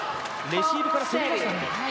レシーブから攻めましたね。